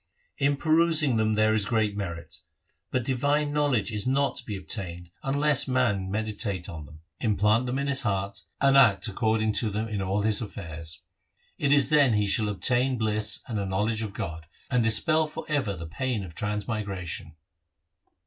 In perusing them there is great merit, but divine knowledge is not to be obtained unless man meditate 1 Suhi. 58 THE SIKH RELIGION on them, implant them in his heart, and act according to them in all his affairs. It is then he shall obtain bliss and a knowledge of God, and dispel for ever' the pain of transmigration.'